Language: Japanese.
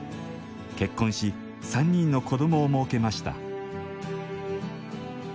結婚し３人の子どもをもうけました。